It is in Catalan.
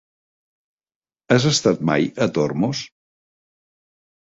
Has estat mai a Tormos?